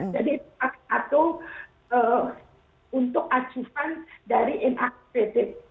jadi satu untuk acuan dari inaktif